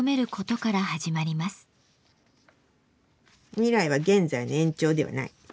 未来は現在の延長ではない。